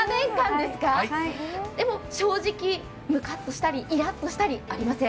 でも正直ムカッとしたりイラッとしたりありません？